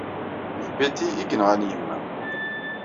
D Betty ay yenɣan yemma-k.